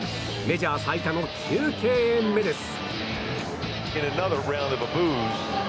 メジャー最多の９敬遠目です。